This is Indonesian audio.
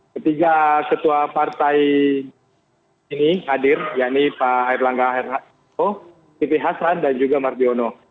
ketiga ketua partai ini hadir yakni pak herlangga herlato siti hasan dan juga marbiono